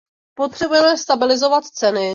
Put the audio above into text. Potřebujeme stabilizovat ceny.